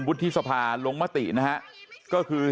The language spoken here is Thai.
วุฒิศภาลงมติก็คือ